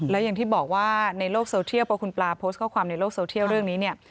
แล้วอย่างที่บอกว่าในโลกโซเทียลพอคุณปลาโพสต์ข้อความในโลกโซเทียลเรื่องนี้เนี่ย